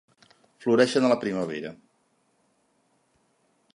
Floreixen a la primavera.